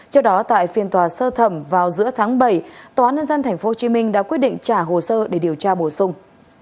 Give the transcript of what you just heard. trước đó tại phiên tòa sơ thẩm vào giữa tháng bảy tòa nhân dân tp hcm đã quyết định trả hồ sơ để điều tra bổ sung